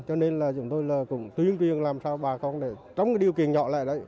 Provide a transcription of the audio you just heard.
cho nên là chúng tôi cũng tuyên truyền làm sao bà con trong điều kiện nhỏ lại